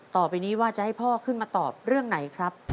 ต่อไปนี้ว่าจะให้พ่อขึ้นมาตอบเรื่องไหนครับ